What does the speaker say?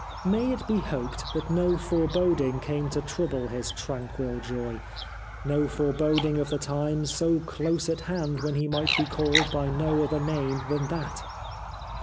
May it be hoped that no fore boding came to trouble his tranquil joy, no fore boding of the times so close at hand when he might be called by no other name than that.